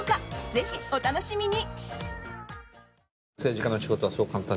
ぜひ、お楽しみに。